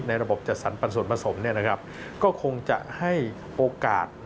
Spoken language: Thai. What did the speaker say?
ระบบจัดสรรปันส่วนผสมก็คงจะให้โอกาส